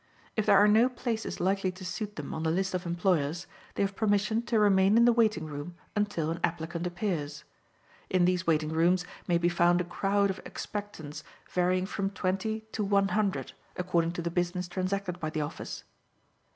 If there are no places likely to suit them on the list of employers, they have permission to remain in the waiting room until an applicant appears. In these waiting rooms may be found a crowd of expectants varying from twenty to one hundred, according to the business transacted by the office.